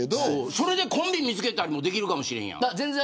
それでコンビ見つけたりもできるかもしれんやん。